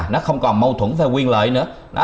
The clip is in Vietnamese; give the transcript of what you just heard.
nó không còn mâu thuẫn về quyền lợi nữa